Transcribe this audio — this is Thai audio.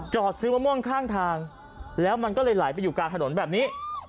ซื้อมะม่วงข้างทางแล้วมันก็เลยไหลไปอยู่กลางถนนแบบนี้